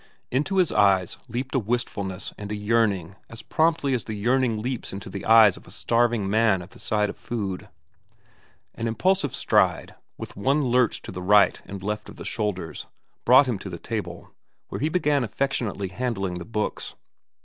Into his eyes leaped a wistfulness and a yearning as promptly as the yearning leaps into the eyes of a starving man at sight of food. An impulsive stride, with one lurch to right and left of the shoulders, brought him to the table, where he began affectionately handling the books.